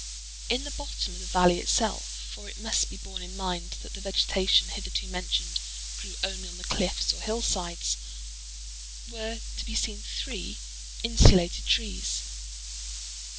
In the bottom of the valley itself—(for it must be borne in mind that the vegetation hitherto mentioned grew only on the cliffs or hillsides)—were to be seen three insulated trees.